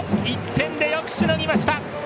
１点でよくしのぎました。